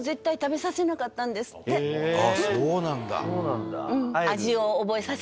あっそうなんだ。